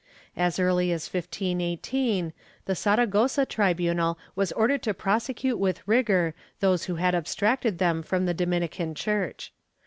As early as 1518, the Saragossa tribunal was ordered to prosecute with rigor those who had abstracted them from the Dominican church.